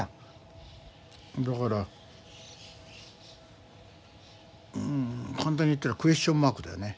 だから簡単に言ったらクエスチョンマークだよね。